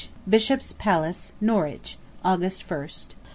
_ BISHOP'S PALACE, NORWICH, August 1st.